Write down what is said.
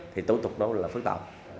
thì thủ tục đó là phức tạp